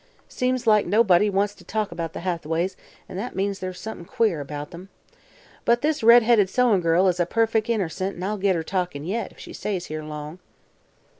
Seems like nobody wants t' talk about the Hathaways, an' that means there's somethin' queer about 'em. But this red headed sewin' girl is a perfec' innercent an' I'll git her talkin' yet, if she stays here long."